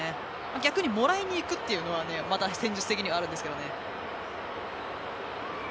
逆にもらいにいくのはまた戦術的にはあるんですけどね。